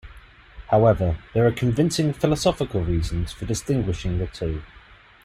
However, there are convincing philosophical reasons for distinguishing the two.